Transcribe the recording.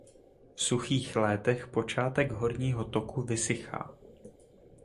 V suchých létech počátek horního toku vysychá.